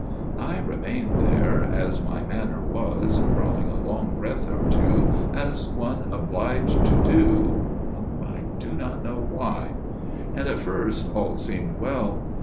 "I remained there, as my manner was, drawing a long breath or two as one is obliged to do I do not know why. And at first all seemed well.